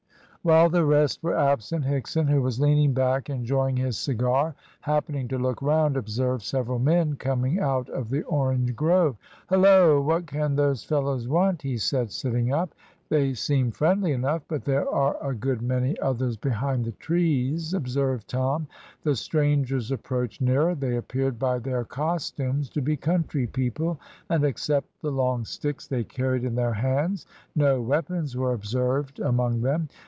While the rest were absent, Higson, who was leaning back enjoying his cigar, happening to look round, observed several men coming out of the orange grove. "Hillo! what can those fellows want?" he said, sitting up. "They seem friendly enough, but there are a good many others behind the trees," observed Tom. The strangers approached nearer. They appeared by their costumes to be country people, and except the long sticks they carried in their hands no weapons were observed among them.